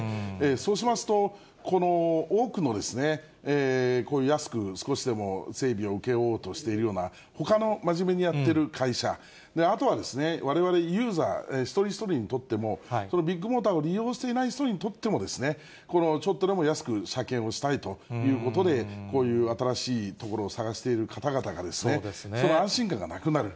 そうしますと、多くのこういう安く、少しでも、整備を請け負おうとしているような、ほかの真面目にやっている会社、あとは、われわれユーザー一人一人にとっても、ビッグモーターを利用していない人にとっても、このちょっとでも安く車検をしたいということで、こういう新しいところを探している方々が、その安心感がなくなる。